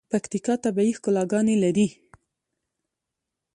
پکیتکا طبیعی ښکلاګاني لري.